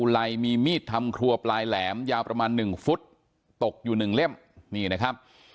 ไลมีมีดทำครัวปลายแหลมยาวประมาณ๑ฟุตตกอยู่๑เล่มนี่นะครับ